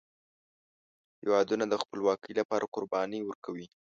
هیوادونه د خپلواکۍ لپاره قربانۍ ورکوي.